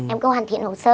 em cứ hoàn thiện hồ sơ